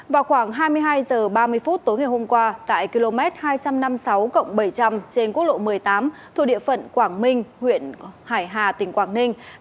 vào khoảng hai mươi hai h ba mươi phút tối ngày hôm qua tại km hai trăm năm mươi sáu bảy trăm linh trên quốc lộ một mươi tám thuộc địa phận quảng ninh huyện hải hà tỉnh quảng ninh